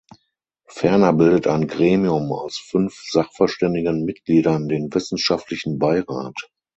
Ferner bildet ein Gremium aus fünf sachverständigen Mitgliedern den Wissenschaftlichen Beirat.